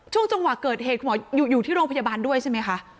จังหวะเกิดเหตุคุณหมออยู่ที่โรงพยาบาลด้วยใช่ไหมคะ